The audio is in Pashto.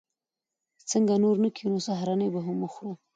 څنګه نور نه کېنو؟ سهارنۍ به هم وخورو.